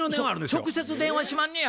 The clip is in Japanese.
直接電話しまんねや。